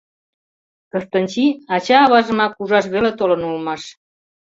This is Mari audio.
Кыстынчи ача-аважымак ужаш веле толын улмаш.